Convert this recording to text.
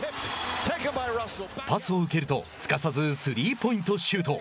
パスを受けると、すかさずスリーポイントシュート。